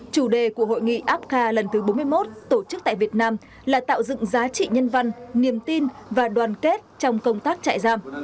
chủ đề của hội nghị apca lần thứ bốn mươi một tổ chức tại việt nam là tạo dựng giá trị nhân văn niềm tin và đoàn kết trong công tác trại giam